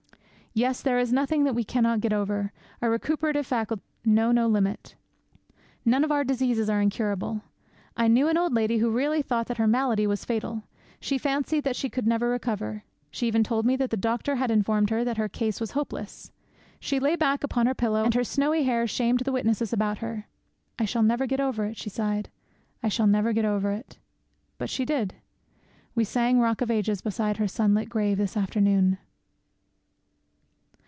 Yes, there is nothing that we cannot get over. Our recuperative faculties know no limit. None of our diseases are incurable. I knew an old lady who really thought that her malady was fatal. She fancied that she could never recover. She even told me that the doctor had informed her that her case was hopeless. She lay back upon her pillow, and her snowy hair shamed the whiteness about her. 'I shall never get over it,' she sighed, 'I shall never get over it!' But she did. We sang 'Rock of Ages' beside her sunlit grave this afternoon.